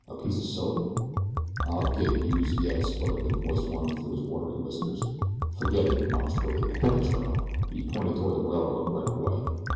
"A piece o' soap?" "I'll get youse yet," spluttered the moist one through his watery whiskers. "Ferget it," admonished Billy, "an' hit the trail." He pointed toward the railroad right of way.